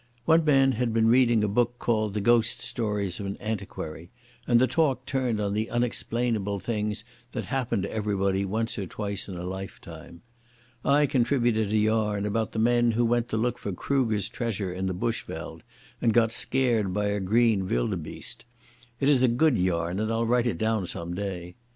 One man had been reading a book called the Ghost Stories of an Antiquary, and the talk turned on the unexplainable things that happen to everybody once or twice in a lifetime. I contributed a yarn about the men who went to look for Kruger's treasure in the bushveld and got scared by a green wildebeeste. It is a good yarn and I'll write it down some day.